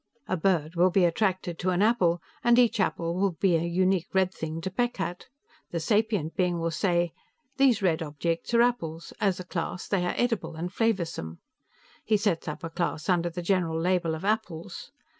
A bird will be attracted to an apple, and each apple will be a unique red thing to peck at. The sapient being will say, 'These red objects are apples; as a class, they are edible and flavorsome.' He sets up a class under the general label of apples.